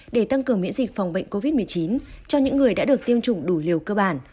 để tăng cường miễn dịch phòng bệnh covid một mươi chín cho những người đã được tiêm chủng đủ liều cơ bản